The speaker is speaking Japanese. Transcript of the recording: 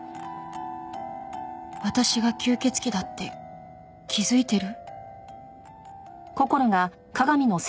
私が吸血鬼だって気づいてる？